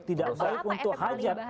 tidak baik untuk hajar masyarakat kedepan